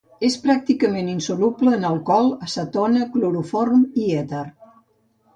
És pràcticament insoluble en alcohol, acetona, cloroform i èter.